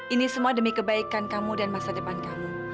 ini semua demi kebaikan kamu dan masa depan kamu